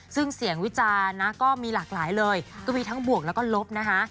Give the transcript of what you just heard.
ซึ่งเสียงวิจารณ์นะก็มีหลากหลายเลยก็มีทั้งบวกแล้วก็ลบนะคะ